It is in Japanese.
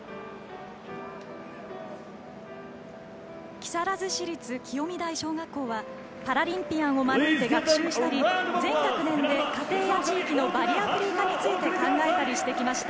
木更津市立清見台小学校はパラリンピアンを招いて学習したり全学年で家庭や地域のバリアフリー化について考えたりしてきました。